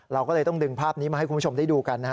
เราก็เลยต้องดึงภาพนี้มาให้คุณผู้ชมได้ดูกันนะฮะ